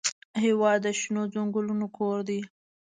هېواد د شنو ځنګلونو کور دی.